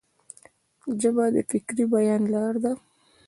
ژبه د فکري بیان لار ده.